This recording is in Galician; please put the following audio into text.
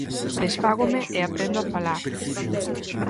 Desfágome e aprendo a falar.